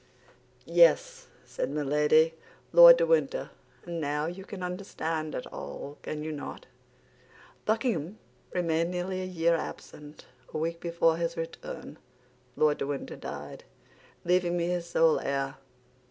"Yes," said Milady, "Lord de Winter; and now you can understand it all, can you not? Buckingham remained nearly a year absent. A week before his return Lord de Winter died, leaving me his sole heir.